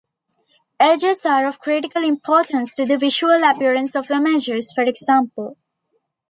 Edges are of critical importance to the visual appearance of images, for example.